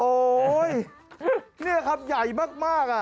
โอ้โหนี่ครับใหญ่มาก